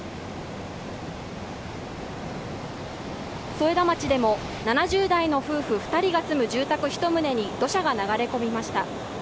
添田町でも７０代の夫婦２人が住む住宅１棟に土砂が流れ込みました。